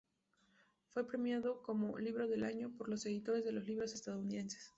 Fue premiado como "Libro del Año" por los Editores de Libros Estadounidenses.